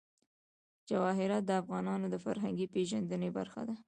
جواهرات د افغانانو د فرهنګي پیژندنې برخه ده.